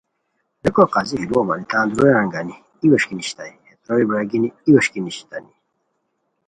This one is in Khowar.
ریکو قاضی ہے لوؤ مانی تان دورو رویان گانی ای ویݰکی نیشیتائے، ہے تروئے برار گینی ای ویݰکی نیشیتانی